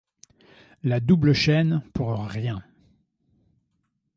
La double chaîne pour rien.